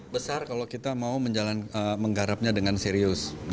besar kalau kita mau menggarapnya dengan serius